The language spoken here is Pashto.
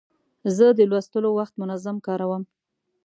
زه د لوستلو وخت منظم کاروم.